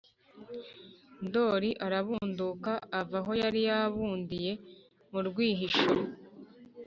ndori arabunduka (ava aho yari yarabundiye: mu rwihisho)